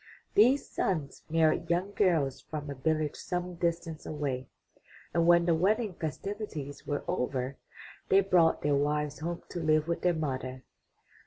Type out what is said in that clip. These sons married young girls from a village some distance away, and when the wedding festivities were over, they brought their wive5 home to live with their mother.